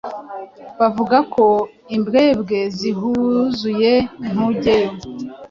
Bavuga ko imbwebwe zihuzuye ntujyeyo.